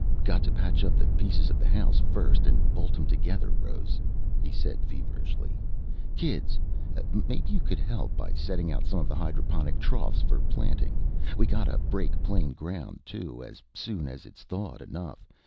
"Got to patch up the pieces of the house, first, and bolt 'em together, Rose," he said feverishly. "Kids maybe you could help by setting out some of the hydroponic troughs for planting. We gotta break plain ground, too, as soon as it's thawed enough.